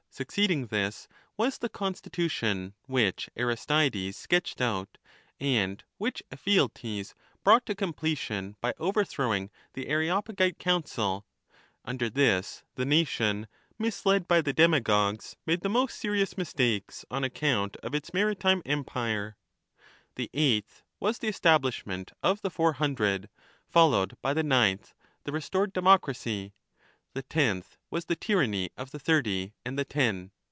succeeding this, was the constitution which Aristides sketched out, and which Ephialtes brought to completion by over throwing the Areopagite Council ; under this the nation. misled by the demagogues, made the most serious mistakes in the interest of its maritime empire. The eighth was the establishment of the Four Hundred, followed by the ninth. the restored democracy. The tenth was the tyranny of the Thirty and the Ten.